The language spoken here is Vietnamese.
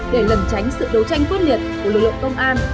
để lần tránh sự đấu tranh quyết liệt của lực lượng công an